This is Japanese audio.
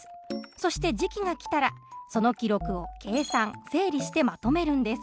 そして時期が来たらその記録を計算整理してまとめるんです。